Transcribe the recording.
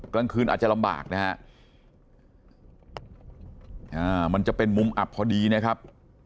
กลางคืนอาจจะลำบากนะฮะมันจะเป็นมุมอับพอดีนะครับ